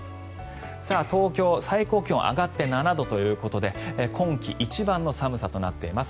東京、最高気温上がって７度ということで今季一番の寒さとなっています。